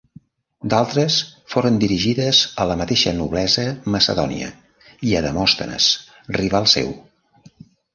D'altres foren dirigides a la mateixa noblesa macedònia i a Demòstenes, rival seu.